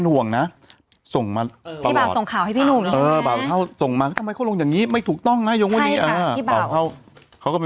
นุ้นอยู่ด้วยกัน